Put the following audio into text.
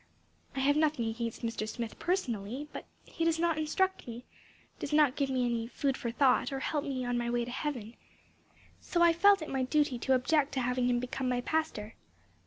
"I have nothing against Mr. Smith personally, but he does not instruct me, does not give me any food for thought, or help me on my way to heaven. So I felt it my duty to object to having him become my pastor.